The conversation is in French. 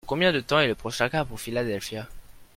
Dans combien de temps est le prochain car pour Philadelphia ?